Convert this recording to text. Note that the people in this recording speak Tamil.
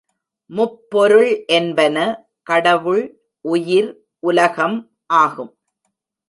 முப்பொருள் என்பன, கடவுள், உயிர், உலகம் ஆகும்.